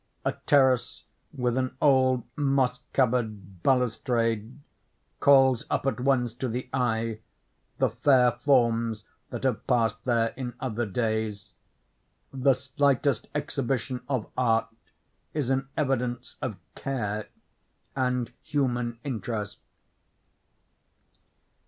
A terrace, with an old moss covered balustrade, calls up at once to the eye the fair forms that have passed there in other days. The slightest exhibition of art is an evidence of care and human interest."